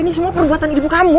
ini semua perbuatan ibu kamu